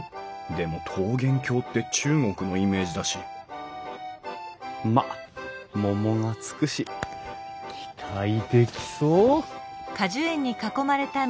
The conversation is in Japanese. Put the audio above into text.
でも桃源郷って中国のイメージだしまっ「桃」が付くし期待できそう！